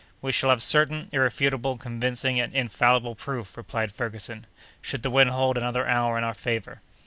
"We shall have certain, irrefutable, convincing, and infallible proof," replied Ferguson, "should the wind hold another hour in our favor!"